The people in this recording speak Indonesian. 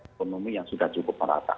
ekonomi yang sudah cukup merata